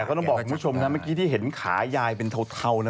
ก็ต้องบอกคุณผู้ชมนะเมื่อกี้ที่เห็นขายายเป็นเทานะ